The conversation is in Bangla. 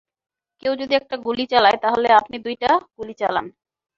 কেউ যদি একটা গুলি চালায় তাহলে আপনি দুইটা গুলি চালান।